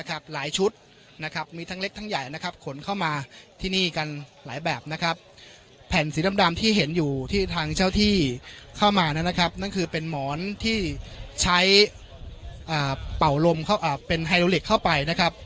ครับและเหล็กเส้นและแบบเดิมให้ขาดออกจากการเปิดทาง